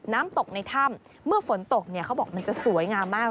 น้ำตกในถ้ำเมื่อฝนตกเนี่ยเขาบอกมันจะสวยงามมาก